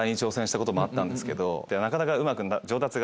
なかなかうまく。